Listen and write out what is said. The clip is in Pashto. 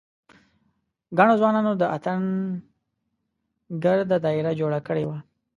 ګڼو ځوانانو د اتڼ ګرده داېره جوړه کړې وه.